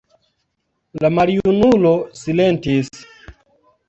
La maljunulo silentis.